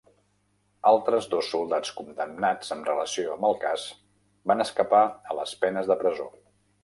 Altres dos soldats condemnats en relació amb el cas, van escapar a les penes de presó.